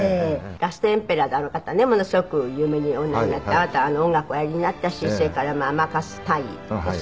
『ラストエンペラー』であの方ねものすごく有名におなりになってあなたあの音楽おやりになったしそれから甘粕大尉ですか。